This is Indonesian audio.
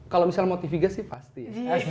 kalau misalnya motiviga sih pasti